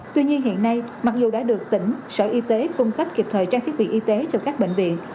tuy nhiên hiện nay mặc dù đã được tỉnh sở y tế cung cấp kịp thời trang thiết bị y tế cho các bệnh viện